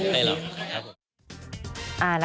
ไม่ได้นะ